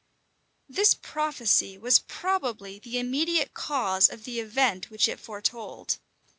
This prophecy was probably the immediate cause of the event which it foretold.